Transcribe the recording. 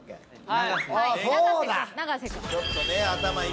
はい。